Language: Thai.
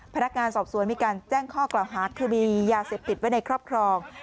พนักงานสอบสวนมีการแจ้งข้อกล่าวหาคือมียาเสพติดไว้ในครอบครอง